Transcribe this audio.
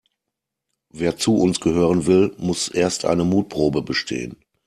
Wer zu uns gehören will, muss erst eine Mutprobe bestehen.